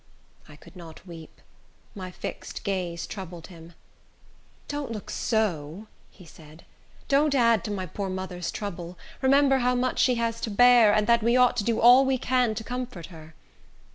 I could not weep. My fixed gaze troubled him. "Don't look so" he said. "Don't add to my poor mother's trouble. Remember how much she has to bear, and that we ought to do all we can to comfort her."